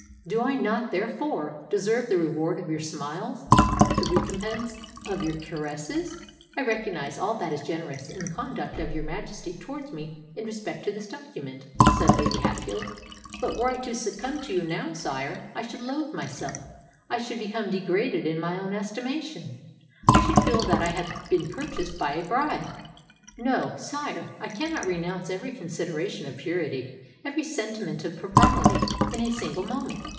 Do I not, therefore, deserve the reward of your smiles—the recompense of your caresses?" "I recognise all that is generous in the conduct of your Majesty towards me in respect to this document," said Lady Hatfield: "but were I to succumb to you now, sire, I should loathe myself—I should become degraded in my own estimation—I should feel that I had been purchased by a bribe! No—sire: I cannot renounce every consideration of purity—every sentiment of propriety, in a single moment."